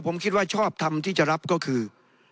ผมคิดว่าชอบทำที่จะรับก็คือ